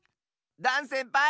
ダンせんぱい！